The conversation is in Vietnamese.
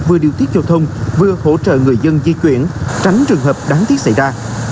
vừa điều tiết giao thông vừa hỗ trợ người dân di chuyển tránh trường hợp đáng tiếc xảy ra